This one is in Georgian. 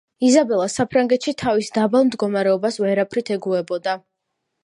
იზაბელა საფრანგეთში თავის დაბალ მდგომარეობას ვერაფრით ეგუებოდა.